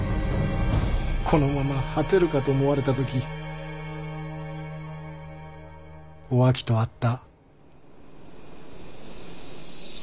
このまま果てるかと思われた時お秋と会った。